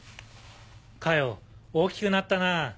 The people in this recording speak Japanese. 加代大きくなったなぁ